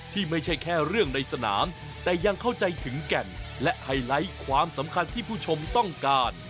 แต่ยังเข้าใจถึงแก่นและไฮไลท์ความสำคัญที่ผู้ชมต้องการ